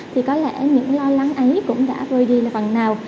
thì có lẽ những lo lắng ấy cũng đã vơi đi là bằng nào